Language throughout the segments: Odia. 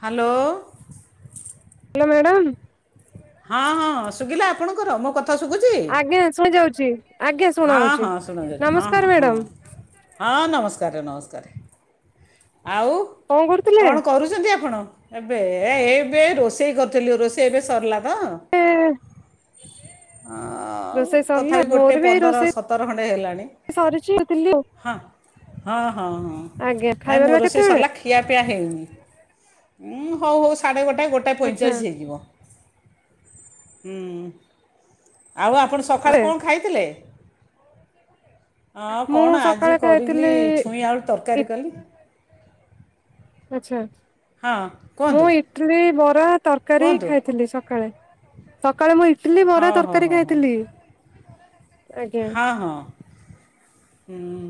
ହ୍ୟାଲୋ। ମ୍ୟାଡ଼ାମ। ହଁ ହଁ ଶୁ ଶୁବିଲା ଆପଣଙ୍କର ମୋ କଥା ଶୁଭୁଛି। ଛି। ହଁ ହଁ ଶୁଣା ଯାଉଛି ହଁ ହଁ ମ୍ୟାଡାମ ହଁ ହଁ ନମସ୍କାର ନମସ୍କା କାରେ। ଆଉ କଣ କରୁଥିଲେ? କଣ କରୁଛନ୍ତି ଆପଣ। ଏବେ ଏ ଏ ଏବେ ରୋଷେଇ କରିୁଥିଲୁ ରୋଷେଇ ଏବେ ସରିଲା। ହଁ। ଏ ରୋଷେଇ ସରିଲା ତଥାପି ଗୋଟେ ମୋରି ପନ୍ଦର ସତର ଖଣ୍ଡେ ହେଲାନି ଥିଲି ଆଉ ହଁ ହଁ ହଁ ହଁ ଆଜ୍ଞା ନାଇଁ ଖାଇବା ମୋ ପିଇବା ରୋଷେଇ କେତେବେଳେ? ସରିଲା ଖିଆ ପିଆ ହେଇନି ଉଁ ହଉ ହଉ ସାଢେ ଗୋଟେ ଗୋଟେ ଆଚ୍ଛା ପଇଚାଳିଶ ହେଇଯିବ। ହଁ। ଆଉ ଆପଣ ସକାଳେ ଏ କଣ ଖାଇଥିଲେ। ହଁ ମୁଁ କଣ ଆଜି ସକାଳେ କରିଲି ଖାଇଥିଲି ଛୁଇଁ ଆଳୁ ତରକାରୀ କଲି ଆଛା। ହଁ ମୁଁ କୁହନ୍ତୁ ଇଟଲି ବରା ତରକାରୀ କୁହନ୍ତୁ ଖାଇଥିଲି ସକାଳେ। ସକାଳେ ମୁଁ ଇଟିଲି ହଁ ବରା ହଁ ତରକାରୀ ହଁ ହଁ ଖାଇଥିଲି। ଆଜ୍ଞା। ହଁ ହଁ। ହୁଁ।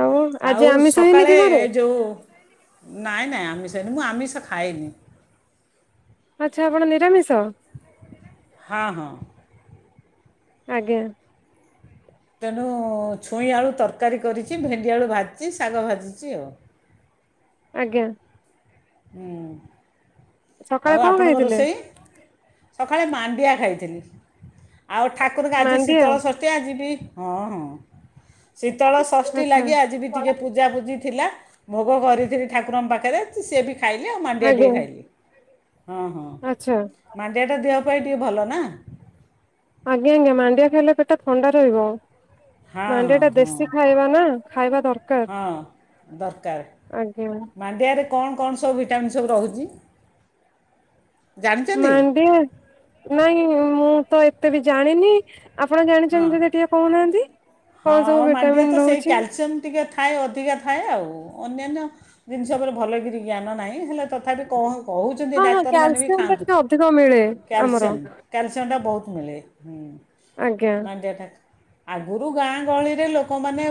ଆଉ ଆଜି ଆଉ ଆମିଷ ହେଇନି କି ସକାଳେ ଘରେ ଯୋଉ ନାଇଁ ନାଇଁ ଆମେ ସେ ମୁଁ ଆମିଷ ଖାଏନି ଆଛା ଆପଣ ନିରାମିଷ? ହଁ ହଁ। ଆଜ୍ଞା। ତେଣୁ ଛୁଇଁ ଆଳୁ ତରକାରୀ କରିଛି ଭେଣ୍ଡି ଆଳୁ ଭାଜିଛି ଶାଗ ଭାଜିଛି ଆଉ। ଆଜ୍ଞା। ହୁଁ। ସକାଳେ ଆଉ କଣ ଆପଣଙ୍କ ଖାଇଥିଲେ ରୋଷେଇ ସକାଳେ ମାଣ୍ଡି ମାଣ୍ଡିଆ ଖାଇଥିଲି। ଆଉ ଠାକୁରଙ୍କ ଆଜି ମାଣ୍ଡିଆ ଶୀତଳ ଷଷ୍ଠୀ ଆଯିବି ହଁ ହଁ। ଶୀତଳ ଷଷ୍ଠୀ ଆଚ୍ଛା ଲାଗି ଆଜି ବି ଟିକେ ପୂଜାପୁଜି ଥିଲା। ଭୋଗ କରିଥିଲି ଠାକୁରଙ୍କ ପାଖରେ ସିଏ ବି ଖାଇଲି ଆଉ ମଣ୍ଡିିଆ ଟିକେ ଆଜ୍ଞା। ଖାଇଲି। ହଁ ହଁ ଆଚ୍ଛା ମାଣ୍ଡିଆଟା ଦେହ ଟିକେ ଭଲ ନା। ଆଜ୍ଞା ଆଜ୍ଞା ମାଣ୍ଡିଆ ଖାଇଲେ ପେଟା ଥଣ୍ଡା ରହିବ। ହଁ ହଁ ମାଣ୍ଡିଆଟା ହଁ ଦେଶୀ ଖାଇବା ନା ଖାଇବା ଦରକାର ହଁ ଦରକାର ଆଜ୍ଞା ମାଣ୍ଡିଆରେ କଣ କଣ ସବୁ ଭିଟାମିନ୍ ସବୁ ରହୁଚି। ମଡିିଆ ନାଇଁ ମୁଁ ତ ଏତେ ବି ଜାଣିନି। ଆପଣ ହଁ ଜାଣିଛନ୍ତି ଯଦି ଟିକେ କହୁନାହାନ୍ତି ହଁ କଣ ସବୁ ମାଣ୍ଡିଆ ତ ଭିଟାମିନ୍ ସେଇ ରହୁଚି। କ୍ୟାଲସିୟମ୍ ଟିକେ ଥାଏ ଅଧିକା ଥାଏ ଆଉ ଅନ୍ୟାନ୍ୟ ଜିନିଷ ଉପରେ ଭଲକିରି ଜ୍ଞାନ ନାହିଁ ହେଲେ। ତଥାପି କଣ କହୁଛନ୍ତି ହଁ ହଁ ଡକ୍ଟର ମାନେ କ୍ୟାଲସିୟମ ଟା ଖାଆନ୍ତୁ ଟିକେ ଅଧିକ ମିଳେ [inaudible] ଆମର କ୍ୟାଲସିୟମ କ୍ୟାଲସିୟମ ଟା ବହୁତ ହଣିଲ ହୁଁ। ଆଜ୍ଞା ମାନ୍ଧ୍ୟଆ ତା ଆଗରୁ ଗାଁ ଗହଳିରେ ଲୋକମାନେ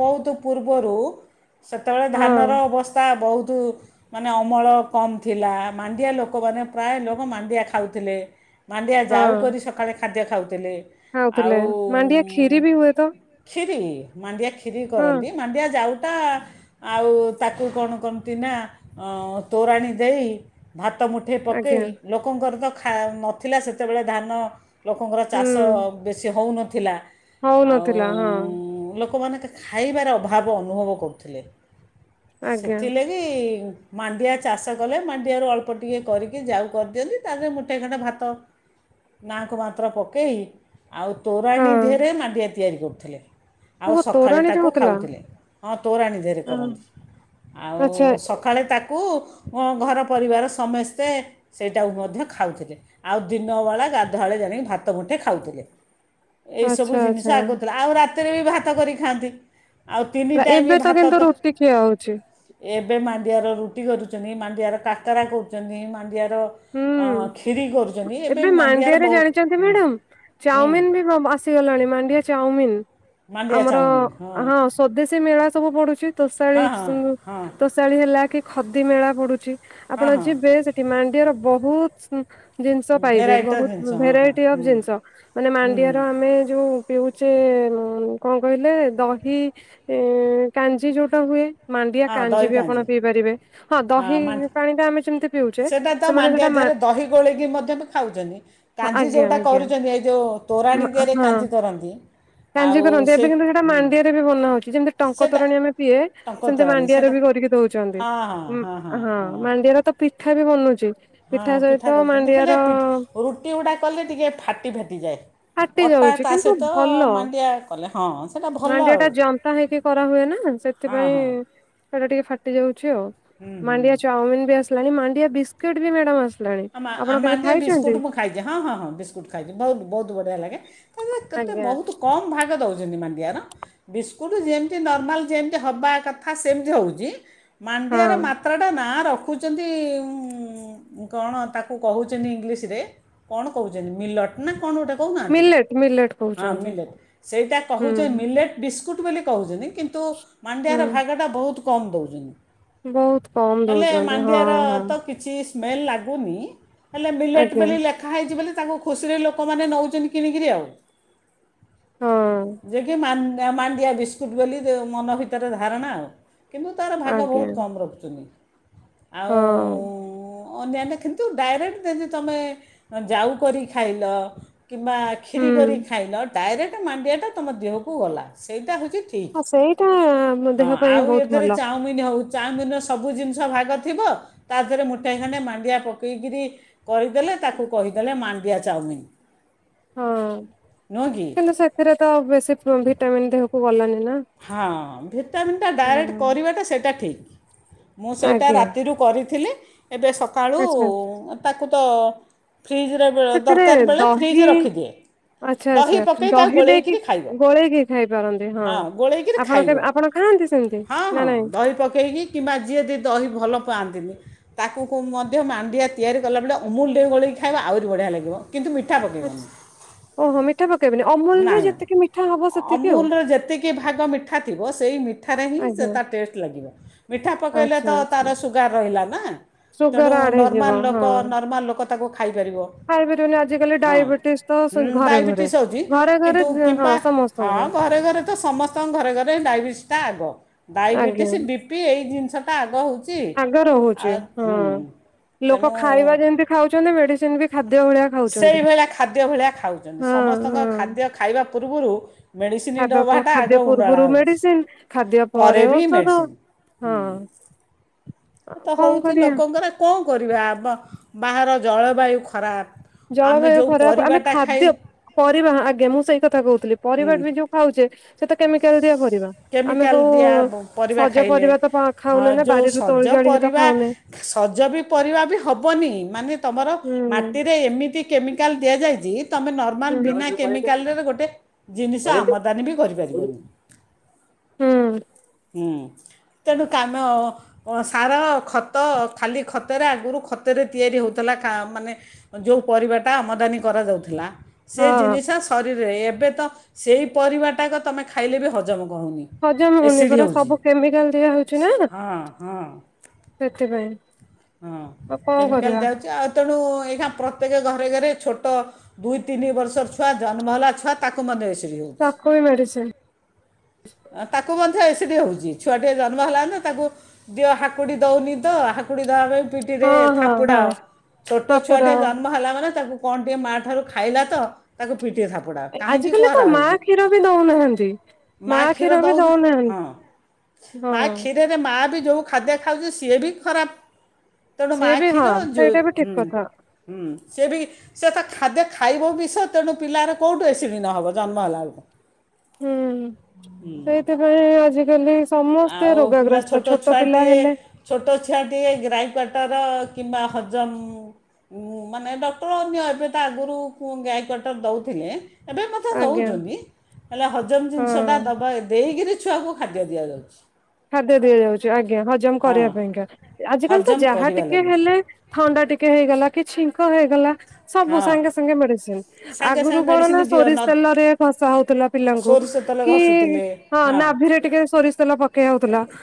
ବହୁତ ପୂର୍ବରୁ ସେତେବେଳେ ହଁ ଧାନର ଅବସ୍ଥା ବହୁତ ବହୁତୁ ମାନେ ଅମଳ କମ୍ ଥିଲା ମାଣ୍ଡିଆ ଲୋକମାନେ ପ୍ରାୟ ଲୋକ ମାଣ୍ଡିଆ ଖାଉଥିଲେ। ମାଣ୍ଡିଆ ଯାଉ କରିରି ସକାଳେ ଖାଦ୍ୟ ଖାଉଥିଲେ। ହାଉଥିଲେ ମାଣ୍ଡିଆ ଖଷିରି ବି ହୁଏ ତ ମାନଡିିଆ କି ବିକିରି ହଁ କରନ୍ତି ମାଣ୍ଡିଆ ଯାଉ ଆଉ ତାକୁ କଣ କର ତୋ ଦେଇ ଭ ହାତ ମୁଠେ ଆଜ୍ଞା ପକେଇ ଲୋକଙ୍କର ତ ନଥିଲା ସେତେବେଳେ ଧାନ ଲୋକଙ୍କର ହୁଁ ଚାଷ ସେ ହେଉନଥିଲା। ହଉନଥିଲା ହଁ। ମୋତେ ଖାଇବାର ଅଭାବ ଅନୁଭବ କରୁଥିଲେ। ଆଜ୍ଞା ସେଥିଲାଗି ମାଣ୍ଡିଆ ଚାଷ କଲେ ମାଣ୍ଡିଆରୁ ଅଳ୍ପ ଟିକଏ କରିକି ଯାଉ କରିଦିଅନ୍ତି ତାହରେ ମୁଠେ ଖଣ୍ଡେ ଭାତ ନାଁକୁ ମାତ୍ର ପକାଇ ଆଉ ତୋରାଣୀ ହଁ ଧରେ ମାଣ୍ଡିଆ ତିଆରି କରୁଥିଲେ। ଆଉ ଓହୋ ସକାଳେ ତୋରାଣୀରେ ତାକୁ ହଉଥିଲା ଖାଉଥିଲେ ହଁ ତୋରାଣୀ ଦେରେ କରନ୍ତି ଆଉ ଆଚ୍ଛା ସଳେ ତାକୁ କୁ ଘର ପରିବାର ସମସ୍ତେ ସେଇଟାକୁ ମଧ୍ୟ ଖାଉଥିଲେ ଆଉ ଦିନବେଳା ଗାଧୁଆଳେ ଜାଇି ଭାତ ଗୁଣ୍ଠେଇ ଖାଉଥିଲେ। ଏଇ ସବୁ ଆଚ୍ଛା ଜିନିଷ ଆଚ୍ଛା ଆଗଦଥିଲା ଆଉ ରା ବି ଭାତ କରି ଖାଆନ୍ତି। ଆଉ ତିନି ରା- ଟାଇମ୍ ଏବେ ଭାତ କିନ୍ତୁ ତ ରୁଟି ଖିଆ ହଉଛି ଏବେ ମ ମାଣ୍ଡିଆ ରୁଟି କରୁଛନ୍ତି ମାଣ୍ଡିଆର କାକରା କରୁଛନ୍ତି ମାଣ୍ଡିଆ ଅ ହୁଁ କ୍ଷୀରି କରୁଛନ୍ତି ଏବେ ମାଣ୍ଡିଆରେ ବହୁ ଚାଉମିନ ବି ଆସିଗଲାଣି ମାଣ୍ଡିଆ ଚାଉମିନନ୍ ହଁ। ମାଣ୍ଡିଆ ଆମର ଚାଉମିନ୍ ହଁ ସଦେଶୀ ମେଳା ସବୁ ପଡୁଛି। ତୋଷାଳ ହଁ ହଁ ହଁ ତୋଷାଳିୀଆ ଲାକ ଖଦି ମେଳା ପଡୁଛି ଆପଣ ହଁ ହଁ ଯିବେ ସେଠି ମାଣ୍ଡିଆର ବହୁତ ଜିନିଷ ପାଇବେ ଭେରାଇଟିର ଜିନିଷ ବହୁତ ହଁ ହଁ ଭେରାଇଟି ଅଫ ହୁଁ ଜିନିଷ ମାନେ ହୁଁ ମାଣ୍ଡିଆର ଆମେ ଯୋଉ ପିଉଛେ କଣ କହିଲେ ଦହି କାଞ୍ଜି ଯୋଉଟା ହୁଏ ମାଣ୍ଡିଆ ହଁ କାଞଜି ଦହି ବି ଆପଣ କାଞ୍ଜି ପିଇ ପାରିବେ ହଁ ଦହି ପାଣି ଟା ଆମେ ଯେମିତି ହେଉଛେ ମା ଦେହରେ ଦ ଖାଉ ଆଜ୍ଞା ଆଜ୍ଞା କଉୋରା କାରଙ୍କୋରା ହଁ କାଞ୍ଜି କରନ୍ତି ଏବେ କିନ୍ତୁ ସେଇଟା ମାଣ୍ଡିଆରେ ବି ବନା ହଉଛି ଯେମିତି ଟଙ୍କ ତୋରାଣୀ ଆମେ ପିଏ ସେମିତି ମାଣ୍ଡିଆରେ ବି କରିକି ଦଉଛନ୍ତି କଥା ବି ବନୁଛି ପିଠା ସହିତ ମାଣ୍ଡିଆର ହେଲେ ରୁଟି ଗୁଡ଼ା କଲେ ଟିକେ ଫାଟି ଫାଟିଯାଏ। ଫାଟି ଅଟା ଯାଉଛି ତା କିନ୍ତୁ ସହିତ ଭଲ ମାଣ୍ଡିଆ କଲେ ହଁ ସେଇଟା ଭଲ ମାଣ୍ଡିଆ ଆଉ ଟା ଜତାା ହେଇକି କରା ହୁଏ ନା ହଁ ସେଥିପାଇଁ ହଁ ସେଟା ଟିକେ ଫାଟି ଯାଉଛି ଆଉ ହୁଁ ହୁଁ ମାଣ୍ଡିଆ ଚାଉମିିନ ବି ଆସ ମାଡିଆ ବିସ୍ କେଡ ବି ମ୍ୟାଡ଼ାମ ଆ ମ ବିସ୍କୁଟ୍ ମୁଁ ଖାଇଛି ହଁ ହଁ ହଁ ବିସ୍କୁଟ୍ ଖାଇଛି ବହୁତ ବହୁତ ବଢ଼ିଆ ଲାଗେ ତା କେତେ ଆଜ୍ଞା ବହୁତ କମ୍ ଭାଗ ଦେଉଛି ନର୍ମାଲ୍ ଯେମିତି ହଁ ମାଣ୍ଡିଆାରେ ମାତ୍ରା ନାଁ ର ରଖହୁଛନ୍ତି କଣ ତାକୁ କହୁଛନ୍ତି ଇଂଲିଶ୍ରରେ କଣ କହୁଛନ୍ତି ମିଲଟ୍ ନା କଣ ଗୋଟେ କହୁନାହାନ୍ତି ମିଲେଟ ମିଲେଟ ହଁ କହୁଛନ୍ତି ମିଲେଟ୍ ହୁଁ କହୁନି କିନ୍ତୁ ହୁଁ ମାଣ୍ଡିଆର ଭାଗଟା ବହୁତ କମ୍ ଦଉଛନ୍ତି ବହୁତ କମ୍ ଦଉଛନ୍ତି ହଁ ହଁ ସ୍ମଲ ଲାଗି ଭୂମି ହେଲେ ବିଲେଟ୍ ଆଜ୍ଞା। ବୋଲି ଲେଖା ହେଇଛି ବୋଲି ତାଙ୍କୁ ଖୁସିରେ ଲୋକମାନେ ନେଉଛନ୍ତି କିଣିକରି ଆଉ ହଁ ଯେ କି ମାନ ନା ମାଣ୍ଡିଆ ବିସ୍କୁଟ୍ ବୋଲି ମନ ଭିତରେ ଧାରଣା ଆଉ କିନ୍ତୁ ତାର ଭାଗ ଆଜ୍ଞା ବହୁତ କମ୍ ରଖୁଛନ୍ତି ଆଉ ହଁ ଅନ୍ୟେ କିନ୍ତୁ ଡାଇରେକ୍ଟ ଯେଦି ତୁମେ ଯାଉ କରି ଖାଇଲ କିମ୍ବା ଖିରି ହୁଁ। କରି ଖାଇନ ଡାଇରେକ୍ଟ ମାଣ୍ଡିଆ ଟା ତମ ଦେହକୁ ଗଲା ସେଇଟା ହଉ ହ ସେଇଟା-ଆ-ଆ-ଆ ଦେହ ପାଇଁ ବହୁତ ଭଲ। ଚାଉମିନର ସବୁ ଜିନିଷ ଭାଗ ଥିବ ତା ଦେହରେ ମୁଠାଏ ଖଣ୍ଡେ ମାଣ୍ଡିଆ ପ ପକେଇକିରି କରିଦେଲେ ତାକୁ କହିଦେଲେ ମାଣ୍ଡିଆ ଚାଉମିିନ। ହଁ କିନ୍ତୁ ସେଥିରେ ତ ବେଶୀ ଉ ଭିଟାମିିନ ଦେହକୁ ଗଲାନି। ନା ହଁ ଭିଟାମିନ୍ ଟା ଡାଇରେକ୍ଟ ହଁ। କରିବାଟା ସେଇଟା ଠିକ୍। ମୁଁ ସେଇଟା ଆଜ୍ଞା ରାତିରୁ କରିଥିଲି ଏବେ ଆଚ୍ଛା ସକାଳୁ-ଉ-ଉ ତାକୁ ତ-ଅ-ଅ ସେଥିରେ ଦହି ରଖିଦିଏ ଆଛା ଦହି ଆଚ୍ଛା, ପକେଇ ତାକୁ ଦହି ଦେଇକି ଗୋଳେଇକିରି ଖାଇବ ଗୋଳେଇକି ଖାଇ ପାରନ୍ତି ହଁ। ଗୋଳେଇକିରି ଆପଣ ଖାଇବ। କେବେ ଆପଣ ଖାଆନ୍ତି ସେମିତି ହଁ ନା ହଁ ନାଇଁ? ଦହି ପକେଇକି କିମ୍ବା ଯିଏ ଦି ଦହି ଭଲ ପାଆନ୍ତିନି ତାକୁ କୁ ମଧ୍ୟ ମାଣ୍ଡିଆ ତିଆରି କଲାବେଳେ ଅମୁଲ ଟିକେ ଗୋଳେଇକି ଖାଇବ ଆହୁରି ବଢ଼ିଆ ଲାଗିବ। କିନ୍ତୁ ମିଠା ଆଛା, ପକାଇବନି ଓହୋ ମିଠା ପକେଇବନି ଅମୁଲରେ ନାଇଁ ନାଇଁ ଯେତିକି ମିଠା ହବ ସେତିକି ଆଉ। ଅମୁଲର ଯେତିକି ଭାଗ ମିଠା ଥିବ ସେଇ ମିଠାରେ ହିଁ ସେ ଆଜ୍ଞା ତା ଟେଷ୍ଟ ଲାଗିବ। ମିଠା ପକେଇଲେ ଆଚ୍ଛା ତ ଆଚ୍ଛା। ତାର ସୁଗାର ରହିଲା ନା। ସୁଗାର ତେଣୁ-ଉ-ଉ-ଉ ଆଡ୍ ହେଇଯିବ ନର୍ମାଲ ଲୋକ ହଁ ନର୍ମାଲ ଲୋ ତାକୁ ଖାଇପାରିବ ଖାଇପାରିବନି ଆଜି କାଲି ହଁ ଡାଇବେଟିସ୍ ତ ସ ହୁଁ, ଘରେ ଘର। ଡାଇବେଟିସ୍ ହେଉଛି ଘରେ ଘରେ କିନ୍ତୁ ହଁ କିମ୍ବା ହଁ ସମସ୍ତଙ୍କୁ। ଘରେ ଘରେ ତ ସମସ୍ତଙ୍କ ଘରେ ଘରେ ଡାଇବେଟିସ୍ ଟା ଆଗ। ଆଜ୍ଞା ଡାଇବେଟିସ୍, ବି ପି ଏଇ ଜିନିଷ ଟ ଆଗ ହଉଛି ଆଗ ରହୁଛି ହଁ, ଲୋକ ତେଣୁ ଖାଇବା ଯେମତି ଖାଉଛନ୍ତି ମେଡିସିନ ବି ଖା ସେଇଭଳିଆ ଖାଦ୍ୟ ଭଳିଆ ଖାଉଛନ୍ତି ହଁ ସମସ୍ତଙ୍କ ହଁ। ଖାଦ୍ୟ ଖାଇବା ପୂର୍ବରୁ ମେଡ଼ିସିନ ଖାଇବା ଡବାଟା ଆଗ ଖାଦ୍ୟ ଉୁଣ୍ଡଳା ପୂର୍ବରୁ ହେଉଛି। ମେଡିସିନ ଖାଦ୍ୟ ପରେ ବି ଔଷଧ ମେଡ଼ିସିନ ହଁ। ତ କଣ ହେଉଛି କରିବା ଲୋକଙ୍କର କଣ କରିବା ଆମ ବାହାର ଜଳବାୟୁ ଖରାପ ଆମେ ଜଳବାୟୁ ଯେଉଁ ଖରାପ ଆମେ ପରିବାଟା ଖାଇ ଖାଦ୍ୟ ପରିବା ଆଜ୍ଞା ମୁଁ ସେଇ କଥା କହୁଥିଲି ପରିବା ବି ଯୋଉ ଖାଉଛେ ସେ ତ କେମିକାଲ ଦିଆ ପରିବା। ଆମେ କେମିକାଲ କଉ ଦିଆ ପରିବା ସଜ ଖାଇଲେ ପରିବା ତ ପା ହଁ ଖାଉନେ ନା। ଯେଉଁ ବାରିରୁ ସଜ ତୋଳି ଆଣିକି ତ ପରିବା ଖାଉନେ। ସଜ ବି ପରିବା ବି ହେବନି ମାନେ ତୁମର ହୁଁ ମାଟିରେ ଏମିତି କେମିକାଲ ଦିଆଯାଇଚି ତମେ ନର୍ମାଲ ହୁଁ ହୁଁ ବିନା କେମିକାଲରେ ଗୋଟେ ଜିନିଷ ଆମଦାନୀ ବି କରିପାରିବନି। ହଁ ତେଣୁ କାମ ସାର, ଖତ ଖାଲି ଖତରେ ଆଗରୁ ଖତରେ ତିଆରି ହେଉଥିଲା କା ମାନେ ଯେଉ ପରିବାଟା ଆମଦାନୀ କରାଯାଉଥିଲା ସେ ହଁ ଜିନିଷ ଶରୀ ଏବେ ତ ସେଇ ପରିବାଟାକ ତମେ ଖାଇଲେ ବି ହଜମ ହେଉନି ହଜମ ହଉନି ଏସିଡ଼୍ ପରା ହେଉଛି ସବୁ କେମିକାଲ ଦିଆ ହଉଛି ନା ହଁ ହଁ ସେଥିପାଇଁ। ହଁ ଆଉ କଣ କେମିକାଲ କରିବା ଦଉଛି ଆଉ ତେଣୁ ଏଇଖାଁ ପ୍ରତ୍ୟକ ଗ ଘ ଘରେ ଛୋଟ ଦୁଇ ତିନି ବର୍ଷର ଛୁଆ ଜନ୍ମ ହେଲା ଛୁଆ ତାକୁ ମନେ ତାଖ ବି ମଡିସ। ଏ ସେଠି ହଉଛି ଛୁଆ ଟେ ଜନ୍ମ ହେଲା ତାକୁ ଦିଅ ହାକୁଟି ଦଉନି ତ। ହକୁଡ଼ି ଡବା ପାଇଁ ପିଟି ରେ ହଁ ହଁ ଥାପୁଡ଼ା ହଁ ଛୋଟ ହାପୁଡ ଛୁଆଟେ ଜନ୍ମ ହେଲା ମାନେ ତାକୁ କଣ ଟିକେ ମା ଠାରୁ ଖାଇଲା ତ ତାକୁ [unintelligible] କାହିଁକି ଆଜିକାଲି ତ କୁହାଆ ମା ହଉଛି କ୍ଷୀର ବି ଦଉନାହାନ୍ତି। ମା କ୍ଷୀର ଦୋଉନହଁ ହଁ ହଁ ମା କ୍ଷୀରରେ ମା ବି ଯେଉଁ ଖାଦ୍ୟ ଖାଉଛି ସିଏ ବି ଖରାପ। ତେଣୁ ମା ସିଏ ବି ହଁ କ୍ଷୀର ଯୋଉ ସେଇଟା ବି ଠିକ ହୁଁ କଥା ହୁଁ। ସିଏ ବି ସେ ତ ଖାଦ୍ୟ ଖାଇବ ବିଷ ତେଣୁ ପିଲାର କୋଉଠୁ ଏସିଡି ନହବ ଜନ୍ମ ହେଲା ବେଳକୁ। ହୁଁ ସେଇଥିପାଇଁ ଆଜି କାଲି ଆଉ ପିଲା ଛୋଟ ଛୁଆଟିଏ ହେଲେ ଛୋଟ ଛୁଆଟିଏ ଗ୍ରାହି କଟର କିମ୍ବା ହଜମ ମାନେ ଡକ୍ଟର ଅନ୍ୟ ଏବେ ତା ଆଗରୁ ଗାଈ କଟର ଦେଉଥିଲେ। ଏବେ ମୋତେ ଆଜ୍ଞା ଦେଉଛନ୍ତି ହେଲେ ହଜମ ଜିନିଷଟା ହଁ। ଦେବା ଦେଇକରି ଛୁଆକୁ ଖାଦ୍ୟ ଦିଆଯାଉ। ଖାଦ୍ୟ ଦିଆଯାଉଛି ଆଜ୍ଞା ହଜମ ହଁ କରିବା ପାଇଁକା ଆଜିକାଲି ତ ହଜମ ଯାହା କରିବା ଟିକେ ଲାଗି ହେଲେ ଥଣ୍ଡା ଟିକେ ହେଇଗଲା କି ଛିଙ୍କ ହେଇଗଲା ସବୁ ହଁ। ସାଙ୍ଗେ ସାଙ୍ଗେ ମେଡିସିନ ସାଙ୍ଗେ ସାଙ୍ଗେ ଆଗରୁ କଣ ମେଡ଼ିସିନ ନା ଦିଅ ନ ସୋରିଷ ତେଲ ରେ ଖସା ହଉଥିଲା ପିଲାଙ୍କୁ ସୋରିଷ ତେଲ କି ଘଷୁଥିଲେ ହଁ ନାଭିରେ ଟିକେ ସୋରିଷ ତେଲ ପ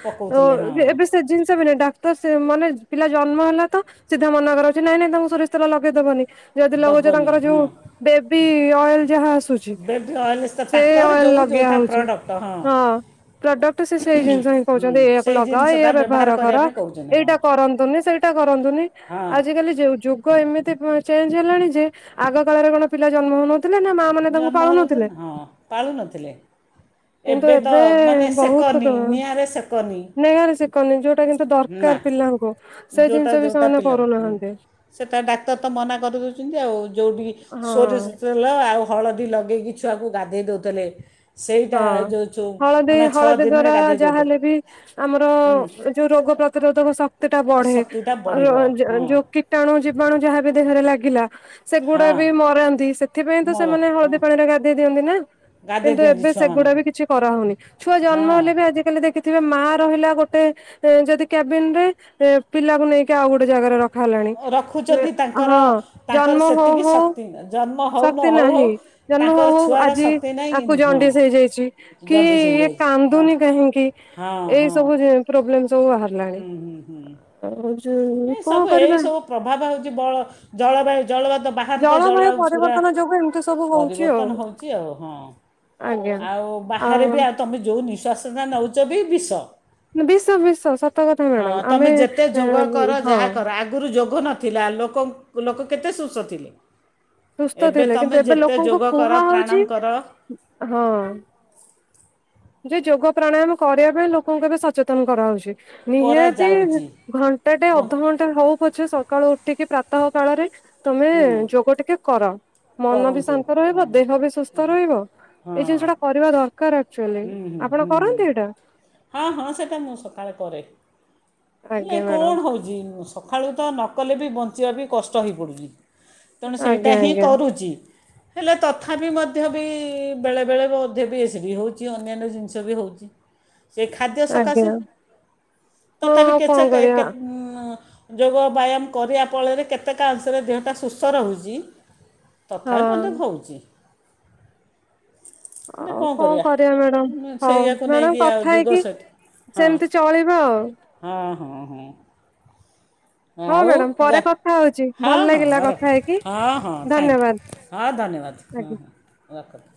ପକଉଥିଲେ ହଁ ଏବେ ସେ ଜିନିଷ ବି ନାଇ ଡାକ୍ତର ସେ ମନେ ପିଲା ଜନ୍ମ ହେଲା ତ ସିଧା ମନା କରା ଅଛି ନାଇଁ ନାଇଁ ତାଙ୍କୁ ସୋରିଷ ତେଲ ଲଗେଇଦବନି। ଯଦି ଲଗାଉଛ ଦବନି ତାଙ୍କର ହଁ ଯୋଉ ବେବି ଅଏଲ ଯାହା ଆସୁଛି ବେବି ଅଏଲ୍ ତ ସେ ତାଙ୍କର ଅଏଲ ଯେଉଁ ଲଗେଇବା ଯେଉଁଟା ହଉଛି ପ୍ରଡ଼କ୍ଟ ହଁ ପ୍ରଡକ୍ଟ। ସେଇ ଜିନିଷ ହି ହୁଁ କହୁଛନ୍ତି ଏ ସେଇ ଲଗା ଜିନିଷଟା ଏଇ ବ୍ୟବହାର କର କରିବା ପାଇଁ କହୁଛନ୍ତି ହଁ ଏଇଟା କରନ୍ତୁନି ସେଇଟା କରନ୍ତୁନି ହଁ ଆଜିକାଲି ଯୋଉ ଯୁଗ ଏମିତି। ଚଞ୍ଜ ହେଲାଣି ଯେ ଆଗ କାଳରେ କଣ ପିଲା ଜନ୍ମ ହଉନ ଜନ୍ମ ହୋଇନଥିଲେ ହଁ ପାଳୁନଥିଲେ ଏବେ ତ ମନେ ସେକଥା ବହୁତ ନି ନିଆଁରେ ସେକନି ନେହାରେ ଶିଖନି ଯୋଉଟା କିନ୍ତୁ ନା ଦରକାର ପିଲାଙ୍କୁ। ସେ ଜିନିଷ ଯେଉଟା ବି ଯେଉଟା ସେମାନେ ପିଲ କରୁନାହାନ୍ତି ସେଟା ଡାକ୍ତର ତ ମନା କରିଦଉଛନ୍ତି ଆଉ ଯେଉଠି ହଁ। ସୋରିଷ ଆଉ। ଲଗେଇକି ଛୁଆକୁ ଗାଧେଇ ଦଉଥିଲେ। ହଁ ହଳଦୀ ହଳଦୀ ଦିନରେ ଦ୍ଵାରା ଗାଧେଇ ଦେଉଥିଲେ ଯାହାହଲେ ବି ଆମର ହୁଁ ଯୋଉ ରୋଗ ସେଟା ପ୍ରତିରୋଧକ ଶକ୍ତି ଟା ବଢେ ଶକ୍ତିଟା ବଢ଼ିବ ହଁ ଯୋଉ କୀଟାଣୁ ଜୀବାଣୁ ଯାହାବି ଦେହରେ ଲାଗେ ଗିଲା ସେଗୁଡା ହଁ ବି ମରାନ୍ତି ସେଥିପାଇଁ ତ ମୋର ସେମାନେ ହଁ ହଳଦୀ ପାଣିରେ ଗାଧେଇ ଦିଅନ୍ତି ନା। ଗାଧେଇ କିନ୍ତୁ ଦିଅନ୍ତି ଏବେ ଛୁ ସେଗୁଡା ବି କିଛି କରାହୋଉନି। ଛୁଆ ଜନ୍ମ ହେଲେ ବି ଆଜିକାଲି ଦେଖିଥିବେ ମା ରହିଲା ଗୋଟେ ଅ ଯଦି କ୍ୟାବିନରେ ଅ ପିଲାକୁ ନେଇକି ଆଉ ଗୋଟେ ଜାଗାରେ ର ରଖୁଚନ୍ତି ତାଙ୍କର ଜନ୍ମ ତାଙ୍କର ହଉ ସେତିକି ହଉ ଶକ୍ତି ନା ଜନ୍ ଶକ୍ତି ନାହିଁ ଜନ୍ମ ହୋଉ ହୋଉ ଆଜି ଶକ୍ତି ନାହିଁ ଆକୁ ହଁ ଜଣ୍ଡିସି ହେଇଯାଇଚି କି ଜଣ୍ଡିସ୍ ଇଏ ହେଇଯାଇଛି ହଁ କାନ୍ଦୁନି କାହିଁକି ହଁ ଏଇ ହଁ ସବୁ ଜି-ପ୍ରୋବ୍ଲେମ ସବୁ ବାହାରିଲାଣି। ହୁଁ ହୁଁ ଆଉ ହୁଁ। ଯୋଉ ଏ କଣ ସବୁ ଏଇ କରିବା ସବୁ ପ୍ରଭାବ ହେଉଚି ବଳ ଜଳବାୟୁ ଜଳବାୟୁ ତ ବାହାରେ ତ ଜଳବାୟୁ ପୁରା ପରିବର୍ତ୍ତନ ଯୋଗୁ ଏମିତି ସବୁ ହଉଛି ପରିବର୍ତ୍ତନ ଆଉ ହୋଉଚି ଆଉ ହଁ ଆଜ୍ଞା ଆଉ ଆ ବାହାରେ ବି ଆଉ ତମେ ଯୋଉ ନିଶ୍ୱସ ନୋଉଚ ବି ବିଷ। ବିଶ ବିଶ ସତକଥା ହଁ ମ୍ୟାଡାମ ତୁମେ ଆମେ ଯେତେ ଯୋଗ ଅଁ କର ଯାହା କର ଆଗୁରୁ ଯୋଗ ଗ ନଥିଲା ଲୋକ ଲୋକ କେତେ ସୁସ୍ଥ ଥିଲେ? ସୁସ୍ତ ଏବେ ଥିଲେ ତୁମେ କିନ୍ତୁ ଏବେ ଯେତେ ଲୋକଙ୍କୁ ଯୋଗ କର ପ୍ରାଣାୟାମ କୁହାହୋଉଚି କର ହଁ। ଯେ ଯୋଗ ପ୍ରାଣାୟାମ କରିବା ପାଇଁ ଲୋକଙ୍କୁ ଏବେ ସଚେତନ କରାହୋଉଚି। ନିହାତି କରାଯାଉଛି ଘଣ୍ଟାଟେ ବ ଅଧଘଣ୍ଟା ହୋଉ ଉଛି ସକାଳୁ ଉଠିକି ପ୍ରାତଃ କାଳରେ ତୁମେ ହୁଁ ଯୋଗ ଟିକେ କର ମନ ବି କରନ୍ତୁ ଶାନ୍ତ ରହିବ ହୁଁ ଦେହ ବି ସୁସ୍ଥ ରହିବ ହଁ ଏଇ ଜିନିଷଟା କରିବା ଦରକାର ଆ ହୁଁ ହୁଁ ହୁଁ ହୁଁ ହଁ ହଁ ସେଟା ମୁଁ ସକାଳେ କରେ। ହେଲେ ଆଜ୍ଞା ମ୍ୟାଡାମ କଣ ହୋଉଚି ନୁସ୍ ସଖାଳୁ ତ ନ କଲେ ବି ବଞ୍ଚିବା ବି କଷ୍ଟ ହେଇପଡ଼ୁଚି। ତେଣୁ ସେଇଟା ଆଜ୍ଞା ହିଁ ଆଜ୍ଞା କରୁଚି। ହେଲେ ତଥାପି ମଧ୍ୟ ବି ବେଳେବେଳେ ଅଧେ ବି ଏସି ବି ହୋଉଚି ଅନ୍ୟାନ୍ୟ ଜିନିଷ ବି ହୋଉଚି। ସେ ଖାଦ୍ୟ ଆଜ୍ଞା ସକାଶେ ହଁ ଆଉ ତଥାପି କଣ ସେକେ କରିବା ଏକେ ଉଁ ହଁ ଯୋଗ ବ୍ୟାୟାମ କରିବା ଫଳରେ କେତେକା ଅଂଶରେ ଦେହଟା ସୁସ୍ଥ ରହୁଚି। ହଁ ତଥାପି ମଧ୍ୟ ହୋଉଚି। ଆଉ କଣ କରିବା ମ୍ୟାଡାମ ହୋଉ ସେଇଆକୁ ମ୍ୟାଡାମ ନେଇକି ଆଉ କଥା ଯୁଗ ହେଇକି ସେଠି ସେମତି ଚଳିବା ଆଉ। ଆ ହଁ ହଁ। ହଁ ଆଉ ମ୍ୟାଡାମ ୱା ପରେ କଥା ହଉଛି ଭଲ ହଁ ଲାଗିଲା ହଁ କଥା ରଖ ହେଇକି ହଁ ହଁ ଧନ୍ୟବାଦ ଥ୍ୟାଙ୍କ୍ ହଁ ଧନ୍ୟବାଦ ଆଜ୍ଞା ହଁ ହଁ ରଖନ୍ତୁ।